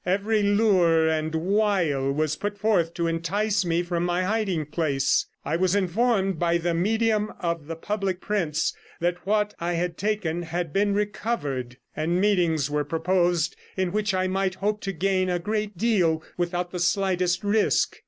Every lure and wile was put forth to entice me from my hiding place; I was informed by the medium of the public prints that what I had taken had been recovered, and meetings were proposed in which I might hope to gain a great deal without the slightest risk.